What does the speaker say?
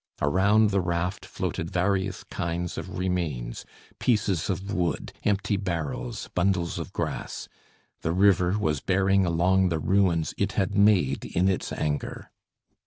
Around the raft floated various kinds of remains, pieces of wood, empty barrels, bundles of grass; the river was bearing along the ruins it had made in its anger.